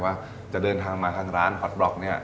ว่าจะเดินทางมาทางร้านฮอตบล็อกเนี่ย